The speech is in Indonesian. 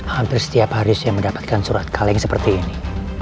hampir setiap hari saya mendapatkan surat kaleng seperti ini